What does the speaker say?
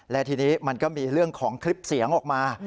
และทีนี้มันก็มีเรื่องของคลิปเสียงออกมา